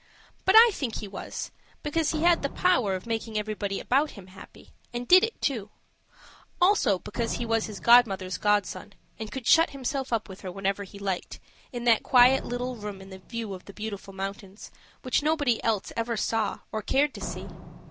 But I think he was, because he had the power of making everybody about him happy, and did it too; also because he was his godmother's godson, and could shut himself up with her whenever he liked, in that quiet little room in view of the Beautiful Mountains, which nobody else ever saw or cared to see.